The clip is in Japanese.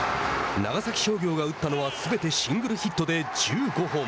長崎商業が打ったのはすべてシングルヒットで１５本。